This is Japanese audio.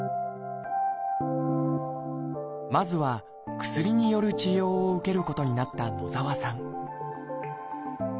まずは薬による治療を受けることになった野澤さん